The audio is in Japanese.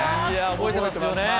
覚えてますよね。